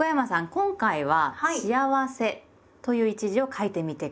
今回は「『幸』せ」という一字を書いてみて下さい。